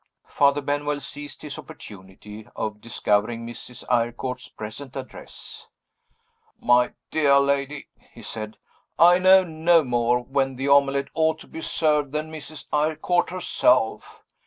Father Benwell seized his opportunity of discovering Mrs. Eyrecourt's present address. "My dear lady," he said, "I know no more when the omelet ought to be served than Mrs. Eyrecourt herself!